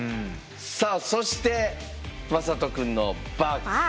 さあそしてまさとくんのバッグ。